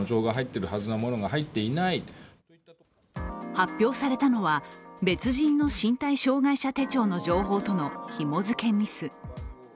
発表されたのは別人の身体障害者手帳の情報とのひも付けミス。